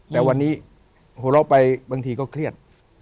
แต่วันนี้หัวเราะไปบางทีก็เครียด